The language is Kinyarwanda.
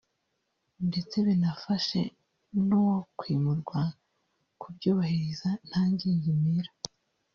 ndetse binafashe n’uwakwimurwa kubyubahiriza nta ngingimira